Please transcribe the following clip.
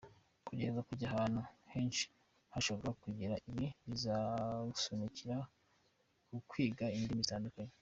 Kugerageza kujya ahantu henshi washobora kugera ibi bizagusunikira mu kwiga indimi zitandukanye.